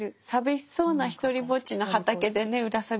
さびしそうなひとりぼっちの畑でねうら